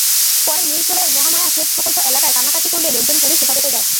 পরে মিরসরাইয়ের মহামায়া সেচ প্রকল্প এলাকায় কান্নাকাটি করলে লোকজন পুলিশ হেফাজতে দেয়।